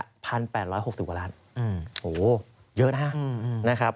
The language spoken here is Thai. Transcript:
๑๘๖๐กว่าล้านโอ้โฮเยอะนะฮะ